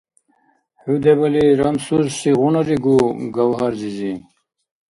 ХӀу дебали рамсурсигъунаригу, Гавгьар-зизи?